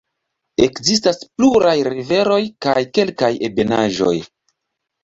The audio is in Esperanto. Ekzistas pluraj riveroj kaj kelkaj ebenaĵoj.